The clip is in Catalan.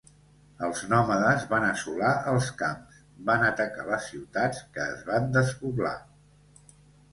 Els nòmades van assolar els camps; van atacar les ciutats, que es van despoblar.